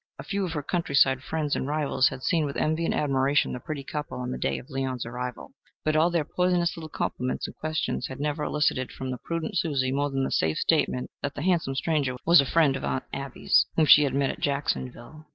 A few of her countryside friends and rivals had seen with envy and admiration the pretty couple on the day of Leon's arrival. But all their poisonous little compliments and questions had never elicited from the prudent Susie more than the safe statement that the handsome stranger was a friend of Aunt Abbie's, whom she had met at Jacksonville.